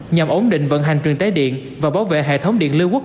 nhằm ổn định vận hành truyền tế điện và bảo vệ hệ thống điện lưu quốc